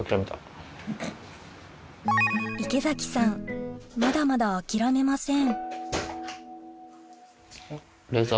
池崎さんまだまだ諦めません